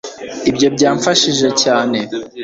Ibyo byamfashije cyane